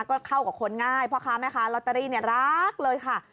ก็เข้ากับคนง่ายเพราะว่าพระพระม่ายมแค้นลอตเตอรี่เนี่ยรักเลยค่ะ